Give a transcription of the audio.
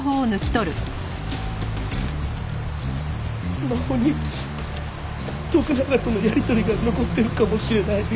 スマホに徳永とのやり取りが残ってるかもしれない。